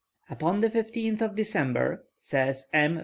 "Upon the 15th of December," says M.